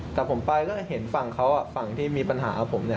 แต่ผมไปก็เห็นฝั่งเขาฝั่งที่มีปัญหากับผม